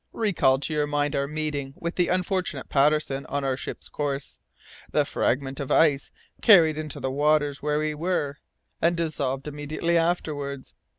Recall to your mind our meeting with the unfortunate Patterson on our ship's course, the fragment of ice carried into the waters where we were, and dissolved immediately afterwards.